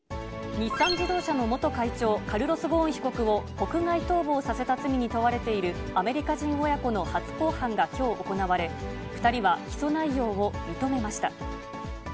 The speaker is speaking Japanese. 日産自動車の元会長、カルロス・ゴーン被告を、国外逃亡させた罪に問われているアメリカ人親子の初公判がきょう行われ、２人は起訴内容を認めました。